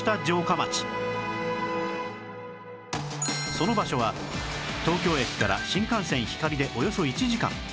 その場所は東京駅から新幹線ひかりでおよそ１時間